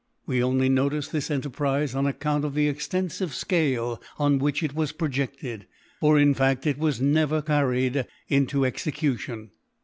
We only notice this enterprize on account of the extensive scale on which it was projected; for in fact it was never carried into execution.